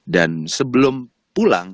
dan sebelum pulang